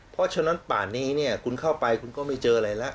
เพราะฉะนั้นป่านนี้เนี่ยคุณเข้าไปคุณก็ไม่เจออะไรแล้ว